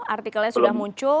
artikelnya sudah muncul